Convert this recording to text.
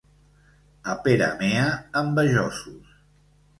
A Peramea, envejosos.